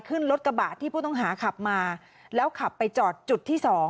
ขึ้นรถกระบะที่ผู้ต้องหาขับมาแล้วขับไปจอดจุดที่๒